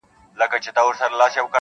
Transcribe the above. • اوسېده په یوه کورکي له کلونو -